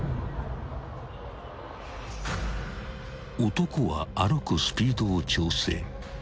［男は歩くスピードを調整］